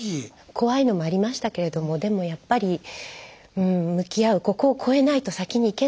怖いのもありましたけれどもでもやっぱり向き合うここを越えないと先に行けないっていうのは思いましたね。